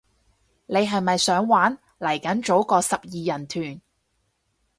你係咪想玩，嚟緊組個十二人團